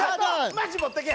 マジ持っていけ！